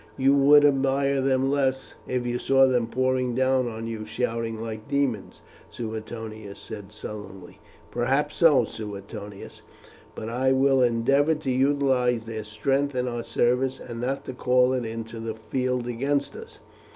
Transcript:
"You would admire them less if you saw them pouring down on you shouting like demons," Suetonius said sullenly. "Perhaps so, Suetonius; but I will endeavour to utilize their strength in our service, and not to call it into the field against us.